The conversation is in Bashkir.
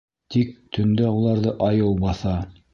Тик төндә уларҙы айыу баҫа.